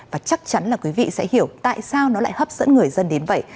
và chắc chắn là quý vị sẽ hiểu tại sao nó lại hấp dẫn người dân đến vậy